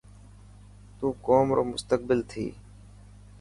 تون قوم رو مستقبل ٿيي.